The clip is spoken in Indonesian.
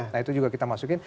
nah itu juga kita masukin